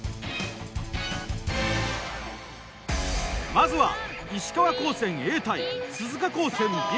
まずは石川高専Ａ対鈴鹿高専Ｂ。